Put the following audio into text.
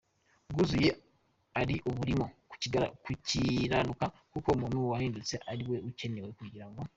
bwuzuye ari uburimo gukiranuka kuko umuntu wahindutse ariwe ukenewe kugirango.